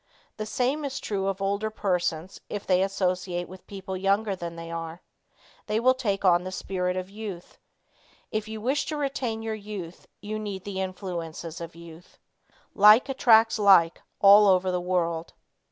The same is true of older persons if they associate with people younger than they are. They take on the spirit of youth. If you wish to retain your youth you need the influences of youth. Like attracts like all over the world.